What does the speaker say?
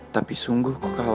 tapi sungguh ku tak mau